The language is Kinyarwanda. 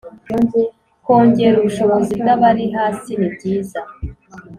Kwongera ubushobozi bw abari hasi nibyiza